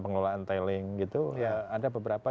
pengelolaan tailing gitu ada beberapa